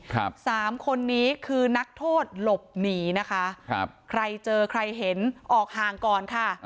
สามคนนี้คือนักโทษหลบหนีนะคะครับใครเจอใครเห็นออกห่างก่อนค่ะ